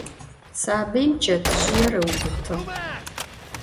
Sabıim çetzjıêr ıubıtığ.